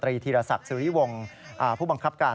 ตรีธีรศักดิ์สรีวงผู้บังคับการ